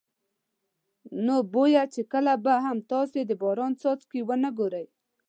نو بویه چې کله به هم تاسې د باران څاڅکي ونه ګورئ.